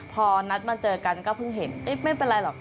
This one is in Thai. พอนัดมาเจอกันก็เพิ่งเห็นไม่เป็นไรหรอก